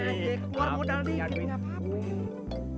keluar modal dikit nggak apa apa